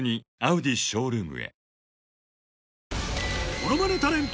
ものまねタレント